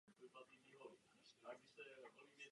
Druhý zkušební let byl úspěšnější.